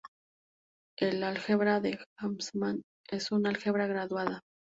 El álgebra de Grassmann es un álgebra graduada.